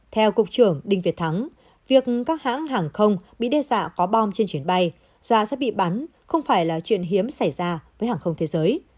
theo cục trưởng đinh việt thắng việc các hãng hàng không bị đe dọa có bom trên chuyến bay do sẽ bị bắn không phải là chuyện hiếm xảy ra với hàng không thế giới